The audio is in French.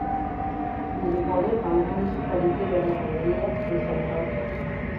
Il est bordé par les municipalités d'Alejandría et San Roque.